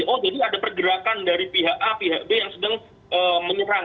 oh jadi ada pergerakan dari pihak a pihak b yang sedang menyerang